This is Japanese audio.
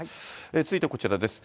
続いてはこちらです。